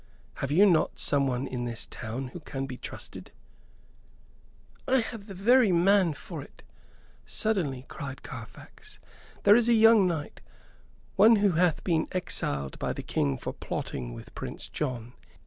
Have you not someone in this town who can be trusted?" "I have the very man for it," suddenly cried Carfax. "There is a young knight, one who hath been exiled by the King for plotting with Prince John.